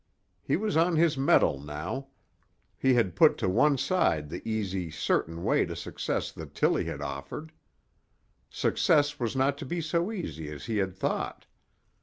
He was on his mettle now. He had put to one side the easy, certain way to success that Tillie had offered. Success was not to be so easy as he had thought.